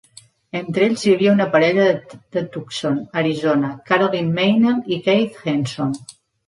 Entre ells hi havia una parella de Tucson, Arizona, Carolyn Meinel i Keith Henson.